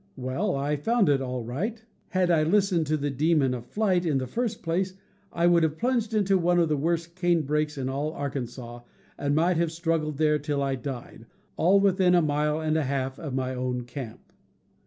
Well, I found it, all right. Had I listened to the demon of flight, in the first place, I would have plunged into one of the worst canebrakes in all Arkan sas, and might have struggled there till I died — all within a mile and a half of my own camp.